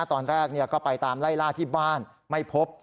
ตอนแรกก็ไปตามไล่ล่าที่บ้านไม่พบ